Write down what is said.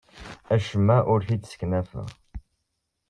Acemma ur t-id-sseknafeɣ.